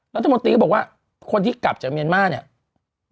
รัฐมนตรีก็บอกว่าคนที่กลับจากเมียนมาร์เนี่ย